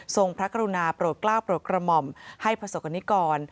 พระกรุณาโปรดกล้าวโปรดกระหม่อมให้ประสบกรณิกร